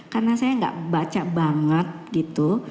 karena saya enggak baca banget gitu